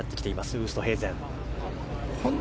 ウーストヘイゼン。